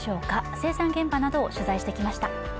生産現場などを取材してきました。